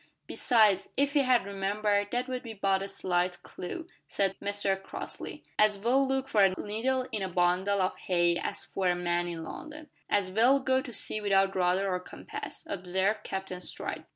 "Besides, if he had remembered, that would be but a slight clue," said Mr Crossley. "As well look for a needle in a bundle of hay as for a man in London." "As well go to sea without rudder or compass," observed Captain Stride.